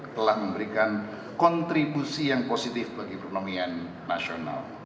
telah memberikan kontribusi yang positif bagi perekonomian nasional